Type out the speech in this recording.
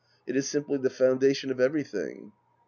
" It is simply the foundation of everything."